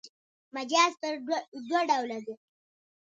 مجاز پر دوه ډوله دﺉ.